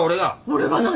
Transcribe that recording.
俺が何？